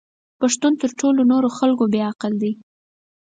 پښتون تر ټولو نورو خلکو بې عقل دی!